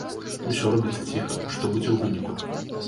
Усё робіцца ціха, а што будзе ў выніку?